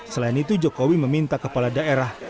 selain itu jokowi meminta kepala daerah